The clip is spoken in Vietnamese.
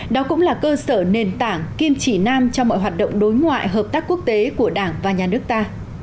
đó cũng là cơ sở nền tảng kim chỉ nam cho mọi hoạt động đối ngoại hợp tác quốc tế của đảng và nhà nước ta